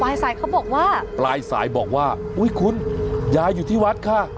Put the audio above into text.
สายเขาบอกว่าปลายสายบอกว่าอุ้ยคุณยายอยู่ที่วัดค่ะ